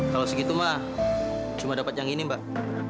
kalau segitu mah cuma dapat yang ini mbak